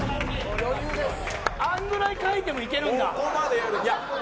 あんぐらい書いてもいけるんだ。